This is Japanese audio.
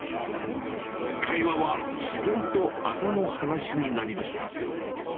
会話は自然とあざの話になりました。